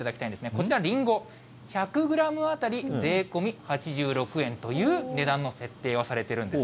こちら、りんご、１００グラム当たり税込み８６円という値段の設定をされているんです。